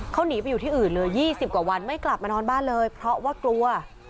เขาหนีไปอยู่ที่อื่นเลย๒๐กว่าวันไม่กลับมานอนบ้านเลยเพราะว่ากลัว